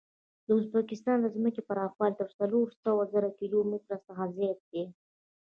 د ازبکستان د ځمکې پراخوالی تر څلور سوه زره کیلو متره څخه زیات دی.